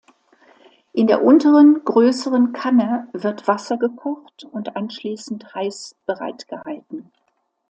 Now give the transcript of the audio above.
In der unteren größeren Kanne wird Wasser gekocht und anschließend heiß bereitgehalten.